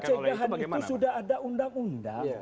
pencegahan itu sudah ada undang undang